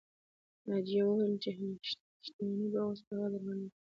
ناجیه وویل چې حشمتي به اوس د هغې درملنه کوي